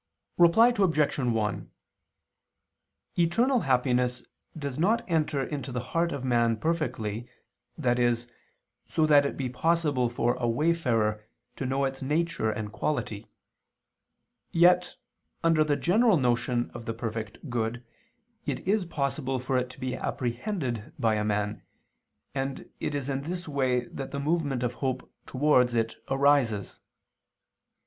Reply Obj. 1: Eternal happiness does not enter into the heart of man perfectly, i.e. so that it be possible for a wayfarer to know its nature and quality; yet, under the general notion of the perfect good, it is possible for it to be apprehended by a man, and it is in this way that the movement of hope towards it arises.